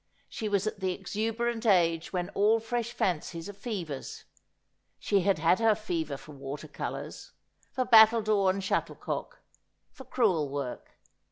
She was at the exuberant age when all fresh fancies are fevers. She had had her fever for water colours, for battledore and shuttlecock, for crewel work.